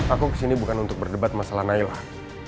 aku kesini bukan untuk berdebat masalah naila